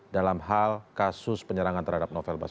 dalam hal kasus penyerangan terhadap novel baswedan